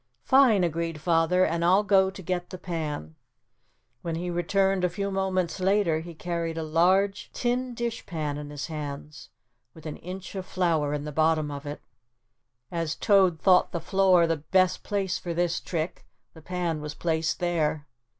"Fine," agreed Father, "and I'll go to get the pan." When he returned a few moments later he carried a large tin dish pan in his hands with an inch of flour in the bottom of it. As Toad thought the floor the best place for this trick, the pan was placed there.